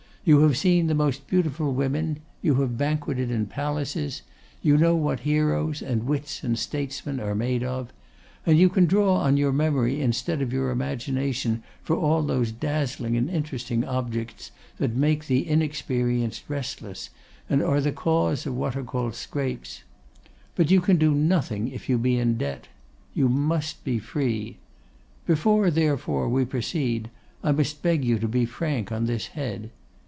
You have seen the most beautiful women; you have banqueted in palaces; you know what heroes, and wits, and statesmen are made of: and you can draw on your memory instead of your imagination for all those dazzling and interesting objects that make the inexperienced restless, and are the cause of what are called scrapes. But you can do nothing if you be in debt. You must be free. Before, therefore, we proceed, I must beg you to be frank on this head.